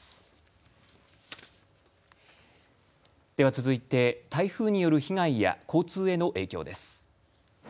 続いて台風による被害や交通への影響です。